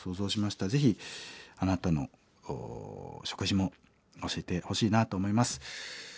ぜひあなたの食事も教えてほしいなあと思います。